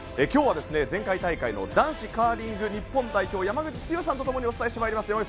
今日は前回大会の男子カーリング日本代表・山口剛史さんと共にお伝えしてまいります。